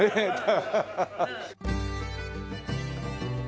ハハハハッ。